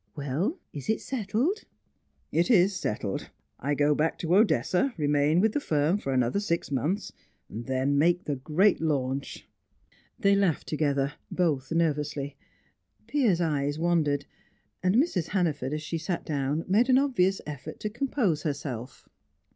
"Well, is it settled?" "It is settled. I go back to Odessa, remain with the firm for another six months, then make the great launch!" They laughed together, both nervously. Piers' eyes wandered, and Mrs. Hannaford, as she sat down, made an obvious effort to compose herself.